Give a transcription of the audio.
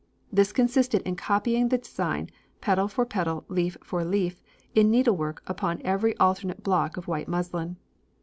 This consisted in copying the design, petal for petal, leaf for leaf, in needlework upon every alternate block of white muslin.